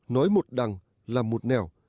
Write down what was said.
nói một đằng làm một nẻo